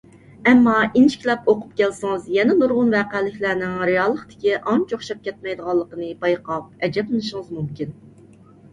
ئەمما ئىنچىكىلەپ ئوقۇپ كەلسىڭىز يەنە نۇرغۇن ۋەقەلىكلەرنىڭ رېئاللىقتىكىگە ئانچە ئوخشاپ كەتمەيدىغانلىقىنى بايقاپ ئەجەبلىنىشىڭىز مۇمكىن.